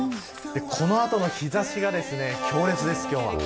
この後の日差しが強烈です。